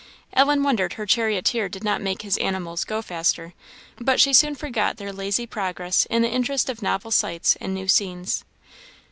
Ellen wondered her charioteer did not make his animals go faster; but she soon forgot their lazy progress in the interest of novel sights and new scenes.